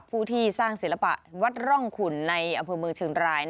ผู้ที่สร้างศิลปะวัดร่องขุนในอำเภอเมืองเชียงราย